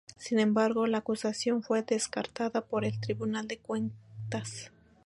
Sin embargo, la acusación fue descartada por el Tribunal de Cuentas.